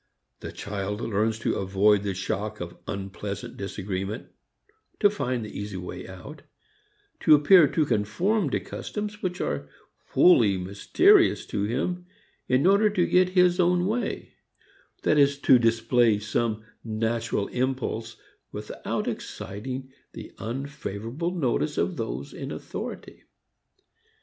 The child learns to avoid the shock of unpleasant disagreement, to find the easy way out, to appear to conform to customs which are wholly mysterious to him in order to get his own way that is to display some natural impulse without exciting the unfavorable notice of those in authority.